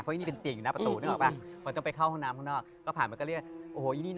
ก็เสียงคุณกัดฟันอ่ะยังมากเลยอ่ะ